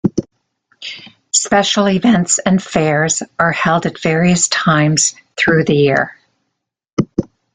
Special events and fairs are held at various times through the year.